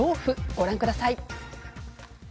ご覧ください。